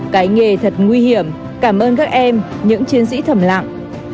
cái nghề thật nguy hiểm cảm ơn các em những chiến sĩ thầm lặng